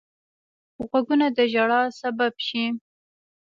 غوږونه د ژړا سبب شي